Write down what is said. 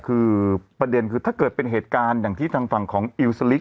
คือประเด็นคือถ้าเกิดเป็นเหตุการณ์อย่างที่ทางฝั่งของอิวสลิก